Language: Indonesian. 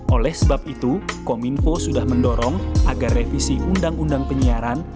oleh sebab itu kominfo sudah mendorong agar revisi undang undang penyiaran